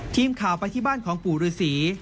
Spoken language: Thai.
ทีมข่าวไปที่บ้านของปู่ฤษี